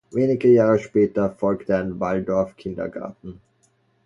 Wenige Jahre später folgte ein Waldorf Kindergarten.